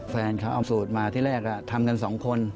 แฟนเขาเอาสูตรมาที่แรกทำกันสองคน